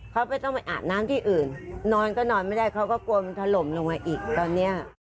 เขาไม่ต้องไปอาบน้ำที่อื่นนอนก็นอนไม่ได้เขาก็กลัวมันถล่มลงมาอีกตอนเนี้ย